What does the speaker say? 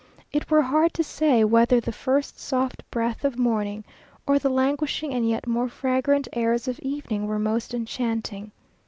It were hard to say whether the first soft breath of morning, or the languishing and yet more fragrant airs of evening were most enchanting.